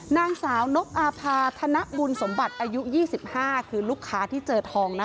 นางสาวนกอาภาธนบุญสมบัติอายุ๒๕คือลูกค้าที่เจอทองนะคะ